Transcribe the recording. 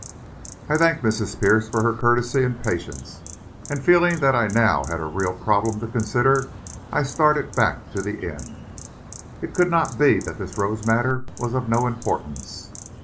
I thanked Mrs. Pierce for her courtesy and patience, and feeling that I now had a real problem to consider, I started back to the inn. It could not be that this rose matter was of no importance.